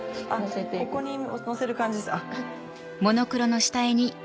ここにのせる感じ。